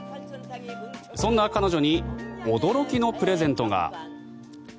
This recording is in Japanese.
そんな彼女に驚きのプレゼントが。